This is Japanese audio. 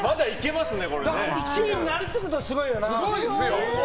１位になるってことがすごいよな。